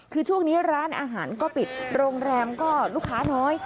คือช่วงนี้ร้านอาหารก็ปิดโรงแรมก็ลูกค้าน้อย